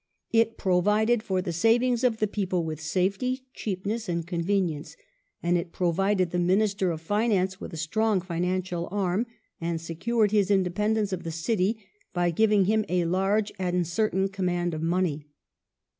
It provided for the savings of the people with safety, cheapness, and convenience; and it provided "the Minister of Finance with a strong financial arm," and secured his independence of the City " by giving him a large and certain command of money